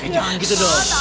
jangan gitu dong